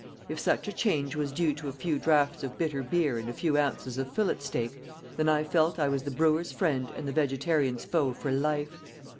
If such a change was due to a few draughts of bitter beer and a few ounces of fillet steak, then I felt I was the brewers' friend and the vegetarians' foe for life.